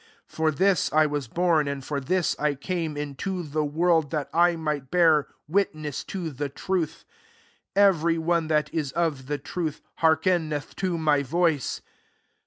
For this I was born, and for this I came into the world, that I might bear witness to the truth. Every one that is of the truth, hearkeneth to my voice."